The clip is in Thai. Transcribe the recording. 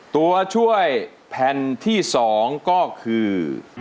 ตัวช่วยแผ่นที่๒ก็คือ